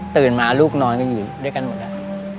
ตื่นมาลูกนอนกันอยู่ด้วยกันหมดแล้ว